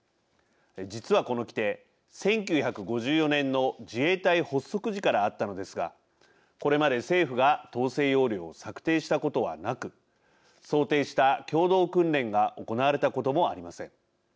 実はこの規定、１９５４年の自衛隊発足時からあったのですがこれまで政府が統制要領を策定したことはなく想定した共同訓練が行われたこともありません。